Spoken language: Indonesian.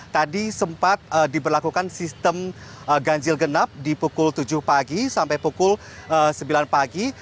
tadi sempat diberlakukan sistem ganjil genap di pukul tujuh pagi sampai pukul sembilan pagi